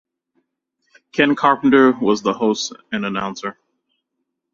Ken Carpenter was the host and announcer.